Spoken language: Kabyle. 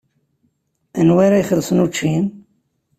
Anwa ara ixellṣen učči?